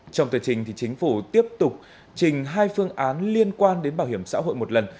trong thời trình chính phủ tiếp tục trình hai phương án liên quan đến bảo hiểm xã hội một lần